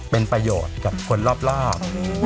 เป็นประโยชน์กับคนรอบ